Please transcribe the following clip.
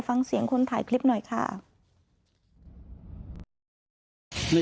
ฟังเสียงคนถ่ายคลิปหน่อยค่ะ